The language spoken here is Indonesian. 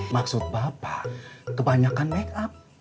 maksud bapak kebanyakan make up